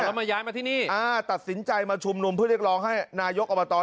แล้วมาย้ายมาที่นี่ตัดสินใจมาชุมนุมเพื่อเรียกร้องให้นายกอบต